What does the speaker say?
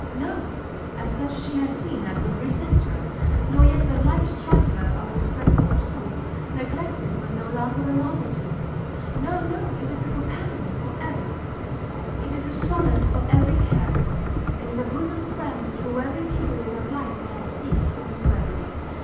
No, as such she has seen I could resist her; nor yet the light trifler of a spring or two, neglected when no longer a novelty; no, no! it is a companion for ever, it is a solace for every care, it is a bosom friend through every period of life that I seek in Miss Beverley!